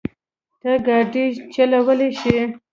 ته ګاډی چلولی شې؟